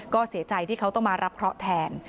ก็เสียใจที่เขาต้องมารับเคราะห์แทน